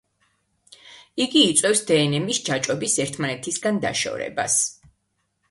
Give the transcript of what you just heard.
იგი იწვევს დნმ-ის ჯაჭვების ერთმანეთისგან დაშორებას.